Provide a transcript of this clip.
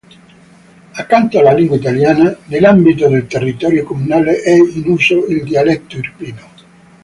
Accanto alla lingua italiana, nell'ambito del territorio comunale è in uso il dialetto irpino.